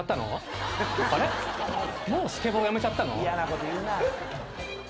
もうスケボーやめちゃったの？